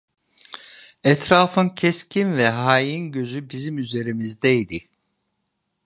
Etrafın keskin ve hain gözü bizim üzerimizdeydi.